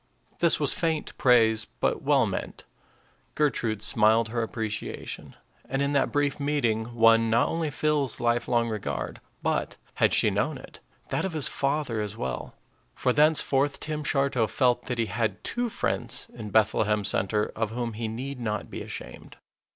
This was faint praise, but well meant. Gertrude smiled her appreciation, and in that brief meeting won not only Phil's lifelong regard, but, had she known it, that of his father as well; for thenceforth Tim Shartow felt that he had two friends in Bethlehem Center of whom he need not be ashamed.